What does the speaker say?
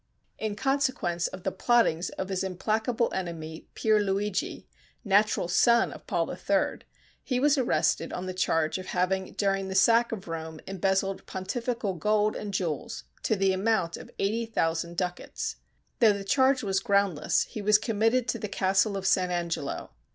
In consequence of the plottings of his implacable enemy, Pier Luigi, natural son of Paul III., he was arrested on the charge of having during the sack of Rome embezzled Pontifical gold and jewels to the amount of eighty thousand ducats. Though the charge was groundless, he was committed to the castle of San Angelo.